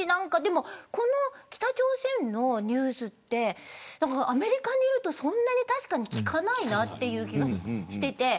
この北朝鮮のニュースってアメリカにいるとそんなに確かに聞かないなという気がしていて。